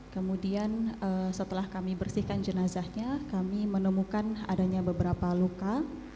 kemudian setelah kami bersihkan jenazahnya kami menemukan adanya beberapa luka